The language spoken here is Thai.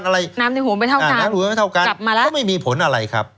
น้ำในหูไม่เท่ากันกลับมาแล้วก็ไม่มีผลอะไรครับ